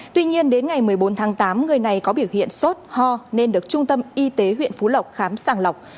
tuy nhiên đến ngày một mươi bốn tháng tám người này có biểu hiện sốt ho nên được trung tâm y tế huyện phú lộc khám sàng lọc